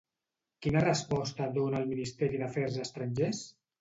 Quina resposta dona el Ministeri d'Afers Estrangers?